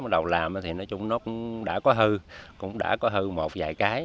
đầu làm thì nói chung nó cũng đã có hư cũng đã có hư một vài cái